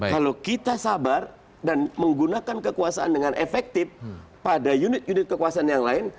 kalau kita sabar dan menggunakan kekuasaan dengan efektif pada unit unit kekuasaan yang lain